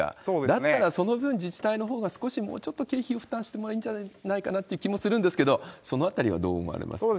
だったらその分、自治体のほうが少し、もうちょっと経費を負担してもいいんじゃないかという気もするんですけど、そのあたりはどう思われますか？